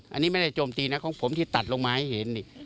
อันนี้ไม่ได้โจมตีนะของผมที่ตัดลงมาให้เห็นนี่